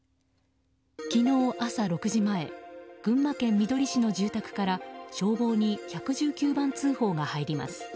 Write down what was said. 昨日朝６時前群馬県みどり市の住宅から消防に１１９番通報が入ります。